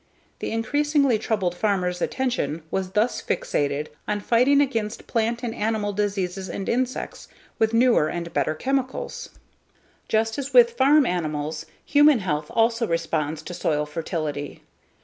The increasingly troubled farmer's attention was thus fixated on fighting against plant and animal diseases and insects with newer and better chemicals. Just as with farm animals, human health also responds to soil fertility.